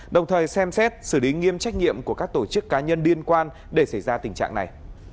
đồng thời xem xét xử lý nghiêm trách nhiệm của các tổ chức cá nhân liên quan để xảy ra tình trạng này